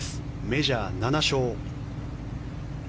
メジャー７勝。